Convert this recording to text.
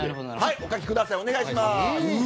お書きください、お願いします！